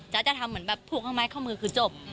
จ๊ะจะทำเหมือนแบบพูดข้างมาให้เข้ามือคือจบ